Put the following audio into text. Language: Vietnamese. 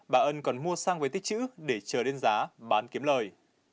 bà ân còn mua xăng với tích chữ để chờ đến giá bán kiếm lời